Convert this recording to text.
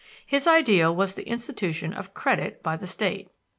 His ideal was the institution of credit by the state.